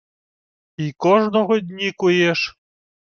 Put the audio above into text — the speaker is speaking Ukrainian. — Й кождого дні куєш?